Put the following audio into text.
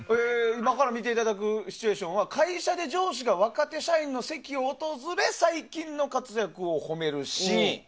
今から見ていただくシチュエーションは会社で上司が部下を訪れ最近の活躍を褒めるシーン。